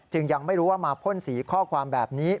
ยังไม่รู้ว่ามาพ่นสีข้อความแบบนี้